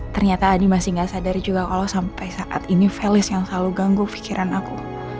ternyata adi masih gak sadari juga kalau sampai saat ini felis yang selalu ganggu pikiran aku